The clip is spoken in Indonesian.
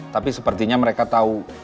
tapi sepertinya mereka tahu